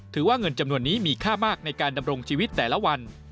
ว่าเงินจำนวนนี้มีค่ามากในการดำรงชีวิตแต่ละวัน